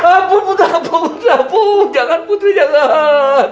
ya ampun putri ya ampun jangan putri jangan